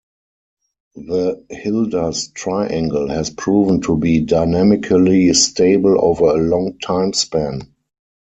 The Hildas Triangle has proven to be dynamically stable over a long time span.